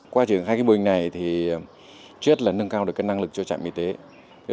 qua trường khai cái mô hình này thì trước là nâng cao được các năng lực cho trạm y tế